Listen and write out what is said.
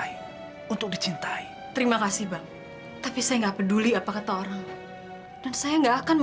lu mau kurang ajar sama dia